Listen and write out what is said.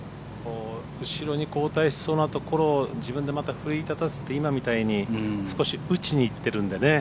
後ろに後退しそうなところを自分でまた奮い立たせて今みたいに少し打ちにいってるんでね。